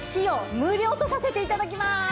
無料とさせて頂きます！